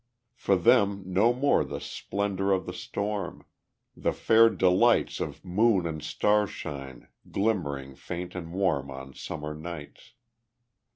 For them no more the splendor of the storm, The fair delights Of moon and star shine, glimmering faint and warm On summer nights.